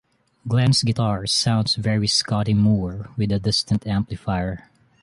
Glenn's guitar sounds very Scotty Moore, with a distant amplifier.